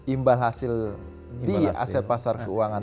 imbal hasil di aset pasar keuangan